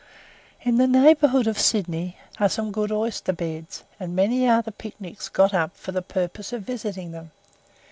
In the neighbourhood of Sydney are some good oyster beds, and many are the picnics got up for the purpose of visiting them.